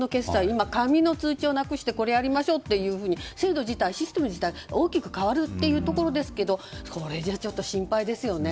今、紙の通帳をなくしてこれやりましょうというふうに制度自体、システム自体が大きく変わるところですけどそれじゃ心配ですよね。